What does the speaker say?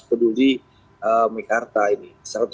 jadi mekarta ini